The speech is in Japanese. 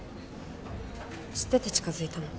知ってて近づいたの？